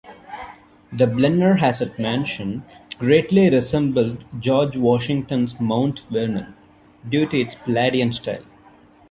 The Blennerhasset mansion greatly resembled George Washington's Mount Vernon, due to its Palladian style.